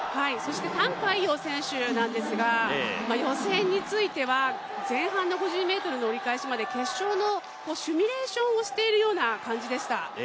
覃海洋選手なんですが予選については、前半の５０ｍの折り返しまで、決勝のシミュレーションをしているような感じでした。